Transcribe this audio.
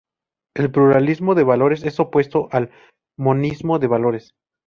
El pluralismo de valores es opuesto al "monismo de valores".